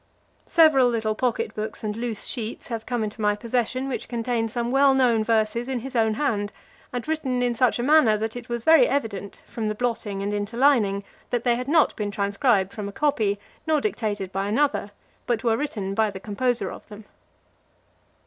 Several little pocket books and loose sheets have cone into my possession, which contain some well known verses in his own hand, and written in such a manner, that it was very evident, from the blotting and interlining, that they had not been transcribed from a copy, nor dictated by another, but were written by the composer of them.